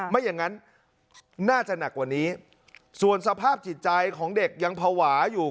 ไม่อย่างนั้นน่าจะหนักกว่านี้ส่วนสภาพจิตใจของเด็กยังภาวะอยู่